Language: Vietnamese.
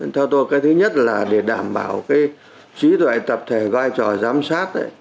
theo tôi cái thứ nhất là để đảm bảo cái trí tuệ tập thể vai trò giám sát